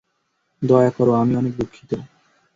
দয়া করো, আমি অনেক দুঃখিত।